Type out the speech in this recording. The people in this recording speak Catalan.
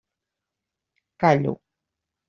Callo.